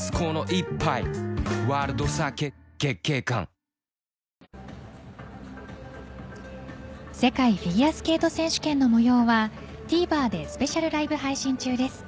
三菱電機世界フィギュアスケート選手権の模様はＴＶｅｒでスペシャルライブ配信中です。